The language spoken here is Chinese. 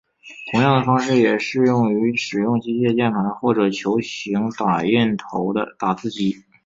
同样的方式也适用于使用机械键盘或者球形打印头的打字机。